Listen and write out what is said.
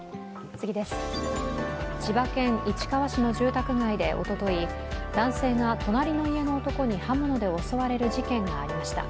千葉県市川市の住宅街でおととい隣の家の男に刃物で襲われる事件がありました。